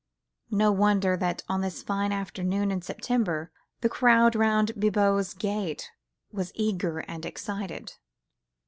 No wonder that on this fine afternoon in September the crowd round Bibot's gate was eager and excited.